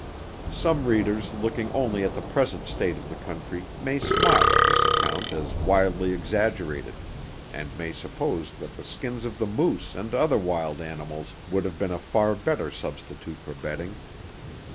Some readers looking only at the present state of the country may smile at this account as wildly exaggerated, and may suppose that the skins of the moose and other wild animals would have been a far better substitute for bedding.